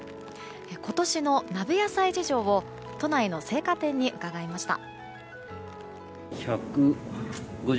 今年の鍋野菜事情を都内の青果店に伺いました。